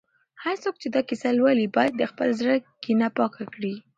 هر څوک چې دا کیسه لولي، باید د خپل زړه کینه پاکه کړي.